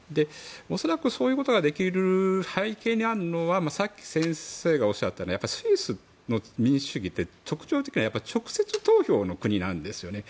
恐らく、そういうことができる背景にあるのはさっき先生がおっしゃったスイスの民主主義って特徴的には直接投票の国なんですよね。